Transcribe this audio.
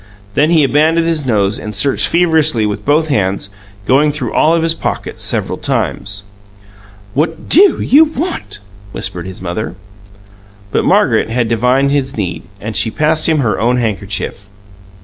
Then he abandoned his nose and searched feverishly with both hands, going through all of his pockets several times. "What DO you want?" whispered his mother. But Margaret had divined his need, and she passed him her own handkerchief.